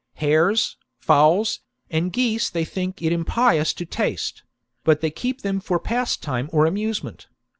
Hares, fowls, and geese they think it impious to taste ; but they keep them for pastime or amuse ment.